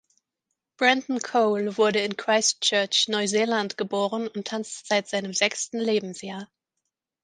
Brendan Cole wurde in Christchurch, Neuseeland, geboren und tanzt seit seinem sechsten Lebensjahr.